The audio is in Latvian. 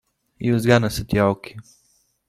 Jūs gan esat jauki.